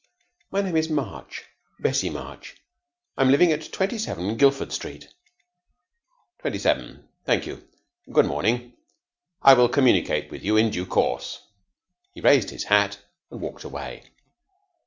"My name is March. Bessie March. I'm living at twenty seven Guildford Street." "Twenty seven. Thank you. Good morning. I will communicate with you in due course." He raised his hat and walked away.